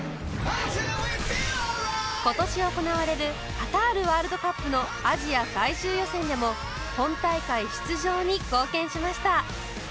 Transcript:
今年行われるカタールワールドカップのアジア最終予選でも本大会出場に貢献しました